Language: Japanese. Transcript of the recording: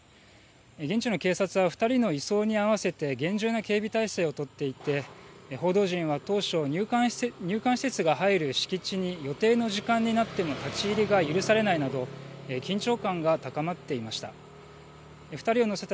現地の警察は２人の移送に合わせて厳重な警備態勢を取っていて報道陣は当初、入管施設が入る敷地に予定の時間になっても立ち入りが許されないなど緊張感が高まっていました。